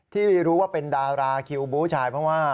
ที่รู้ว่าเป็นดาราคิวบูชายเพราะว่า